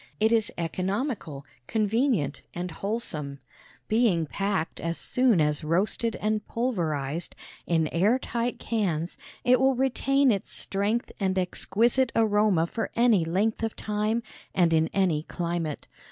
It is economical, convenient and wholesome. Being packed as soon as roasted and pulverized, in air tight cans, it will retain its strength and exquisite aroma for any length of time, and in any climate.